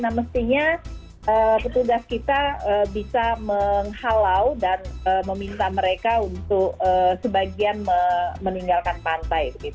nah mestinya petugas kita bisa menghalau dan meminta mereka untuk sebagian meninggalkan pantai